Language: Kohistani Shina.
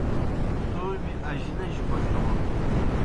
تومیْ اجلِجیْ بوجون